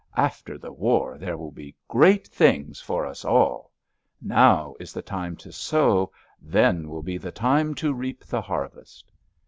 "After the war there will be great things for us all. Now is the time to sow; then will be the time to reap the harvest!"